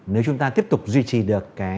nếu chúng ta tiếp tục duy trì được